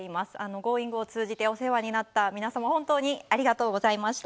「Ｇｏｉｎｇ！」を通じてお世話になった皆様ありがとうございました。